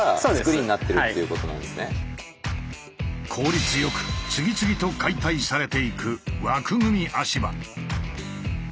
効率よく次々と解体されていく枠組み足場。